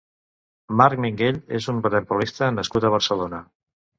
Marc Minguell és un waterpolista nascut a Barcelona.